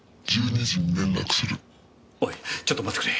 おいちょっと待ってくれ。